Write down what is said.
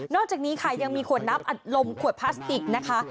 อกจากนี้ค่ะยังมีขวดน้ำอัดลมขวดพลาสติกนะคะ